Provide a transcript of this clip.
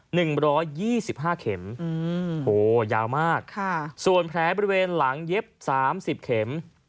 หนึ่งร้อยยี่สิบห้าเข็มอืมโหยาวมากค่ะส่วนแผลบริเวณหลังเย็บสามสิบเข็ม